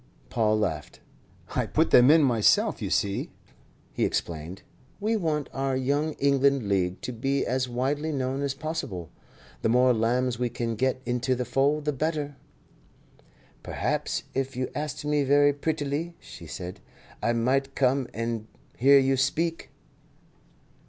Paul laughed. "I put them in myself. You see," he explained, "we want our Young England League to be as widely known as possible. The more lambs we can get into the fold, the better." "Perhaps if you asked me very prettily," she said, "I might come and hear you speak."